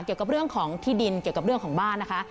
เกี่ยวกับเรื่องของที่ดินเกี่ยวกับเรื่องของบ้านนะคะ